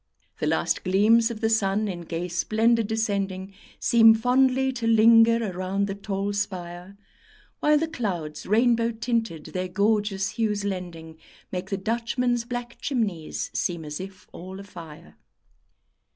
The last gleams of the sun in gay splendour descending Seem fondly to linger around the tall spire, While the clouds, rainbow tinted, their gorgeous hues lending, Make the Dutchmen's black chimneys seem as if all afire.